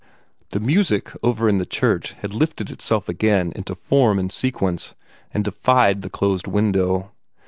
The music over in the church had lifted itself again into form and sequence, and defied the closed window.